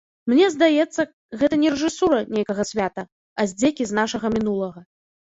Мне здаецца, гэта не рэжысура нейкага свята, а здзекі з нашага мінулага.